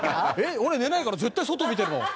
俺寝ないから絶対外見てるもん。